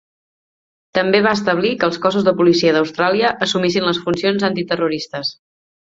També va establir que els cossos de policia d'Austràlia assumissin les funcions antiterroristes.